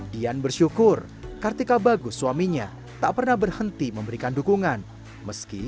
dian bersyukur kartika bagus suaminya tak pernah berhenti memberikan dukungan meski